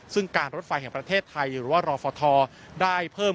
ซึ่งการรถไฟแห่งประเทศไทยหรือว่ารอฟทได้เพิ่ม